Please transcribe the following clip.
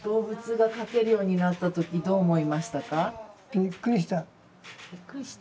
びっくりした。